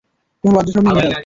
কোনো লজ্জাশরম নেই মেয়েটার।